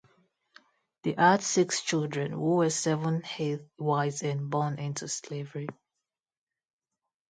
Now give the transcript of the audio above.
They had six children, who were seven-eighths white and born into slavery.